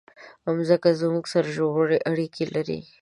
مځکه زموږ سره ژوره اړیکه لري.